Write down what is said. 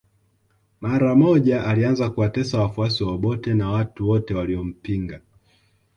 Mara moja alianza kuwatesa wafuasi wa Obote na watu wote waliompinga